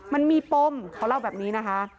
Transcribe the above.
มันมีปมเขาเล่าแบบนี้นะคะ